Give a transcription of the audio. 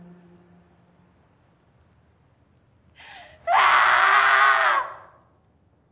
ああ！